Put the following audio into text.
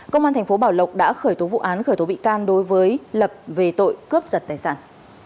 công an thành phố bảo lộc đã khởi tố vụ án khởi tố bị can đối với lập về tội cướp giật tài sản